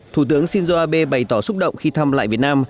thủ tướng shinzo abe bày tỏ xúc động khi thăm lại việt nam